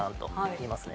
いきますね。